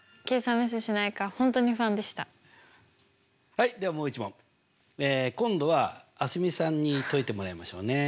はいではもう一問今度は蒼澄さんに解いてもらいましょうね。